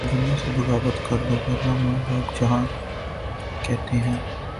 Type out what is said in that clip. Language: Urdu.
تو دنیا سے بغاوت کر دوورنہ ماں باپ جہاں کہتے ہیں۔